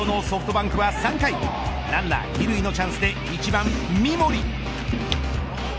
ソフトバンクは３回ランナー２塁のチャンスで１番三森。